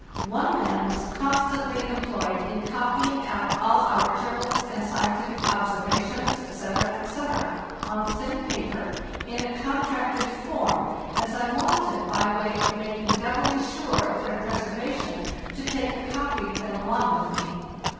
One man was constantly employed in copying out all our journals and scientific observations, etc., etc., on thin paper in a contracted form, as I wanted, by way of doubly assuring their preservation, to take a copy of them along with me.